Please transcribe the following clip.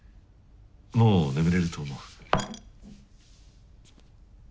もう眠れると思う。